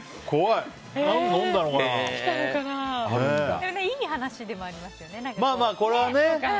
いい話でもありますよね。